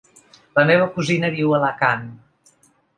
La meva cosina viu a Alacant.